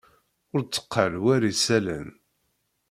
Ur d-tteqqal war isalan.